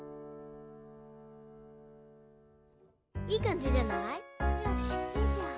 いいかんじじゃない？よいしょ。